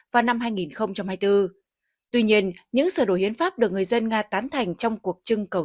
vào năm hai nghìn hai mươi bốn tuy nhiên những sửa đổi hiến pháp được người dân nga tán thành trong cuộc trưng cầu